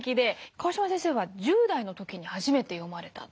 川島先生は１０代の時に初めて読まれた。